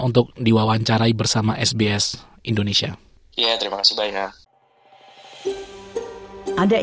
untuk diwawancarai bersama sbs indonesia